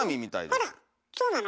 あらそうなの？